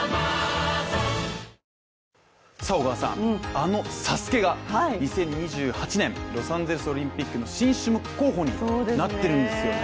あの「ＳＡＳＵＫＥ」が２０２８年、ロサンゼルスオリンピックの新種目候補になっているんですよね。